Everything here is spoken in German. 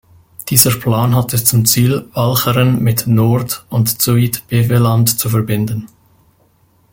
Dieser Plan hatte zum Ziel, Walcheren mit Noord- und Zuid-Beveland zu verbinden.